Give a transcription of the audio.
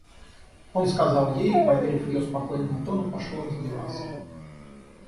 Он сказал ей и, поверив ее спокойному тону, пошел раздеваться.